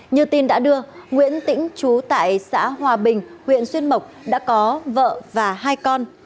như tin đã đưa nguyễn tĩnh trú tại xã hòa bình huyện xuyên mộc đã có vợ và hai con